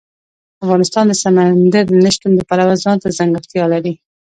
افغانستان د سمندر نه شتون د پلوه ځانته ځانګړتیا لري.